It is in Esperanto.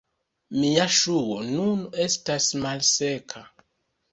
Mia ŝuo nun estas malseka